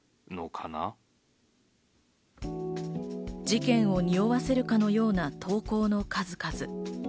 事件を匂わせるかのような投稿の数々。